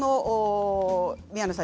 宮野さん